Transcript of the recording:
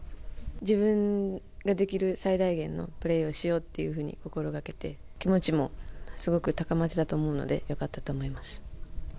自分ができる最大限のプレーをしようっていうふうに心がけて、気持ちもすごく高まっていたと思うので、よかったと思います。